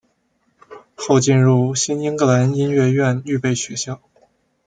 后进入新英格兰音乐院预备学校。